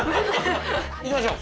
行きましょう！